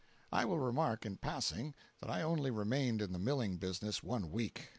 I will remark, in passing, that I only remained in the milling business one week.